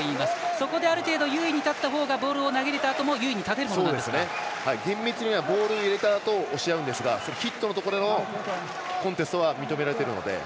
そこである程度優位に立った方がボールを投げ入れたあとも正確に言うとボールを入れたあとに押し合うんですがヒットのところでもコンテストは認められているので。